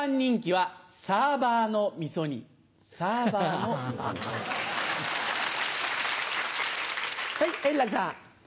はい円楽さん。